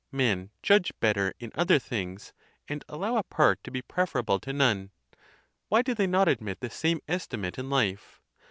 Men judge better in other things, and allow a part to be preferable to none. Why do they not admit the same estimate in life?